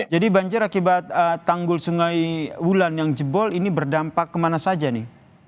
jadi banjir akibat tanggul sungai wulan yang jebol ini berdampak kemana mana